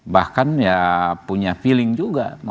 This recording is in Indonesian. bahkan ya punya feeling juga